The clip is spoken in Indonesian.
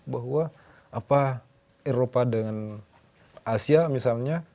bahwa eropa dengan asia misalnya